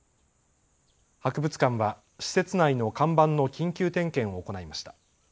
博物館は施設内の看板の緊急点検を行いました。